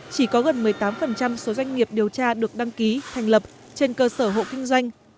chỉ có gần một mươi tám số doanh nghiệp điều tra được đăng ký thành lập trên cơ sở hộ kinh doanh